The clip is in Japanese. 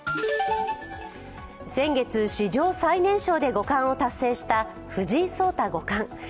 先月、史上最年少で五冠を達成した藤井聡太五冠。